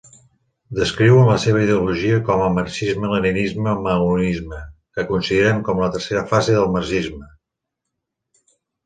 Descriuen la seva ideologia com a "marxisme-leninisme-maoisme", que consideren com la tercera fase del marxisme.